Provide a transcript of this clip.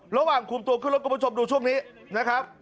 ระหว่างคุมตัวขึ้นรถคุณผู้ชมดูช่วงนี้นะครับ